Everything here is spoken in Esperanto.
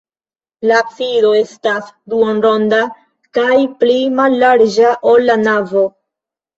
La absido estas duonronda kaj pli mallarĝa, ol la navo.